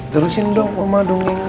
terusin dong oma dong